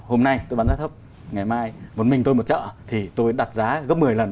hôm nay tôi bán giá thấp ngày mai vốn mình tôi một chợ thì tôi đặt giá gấp một mươi lần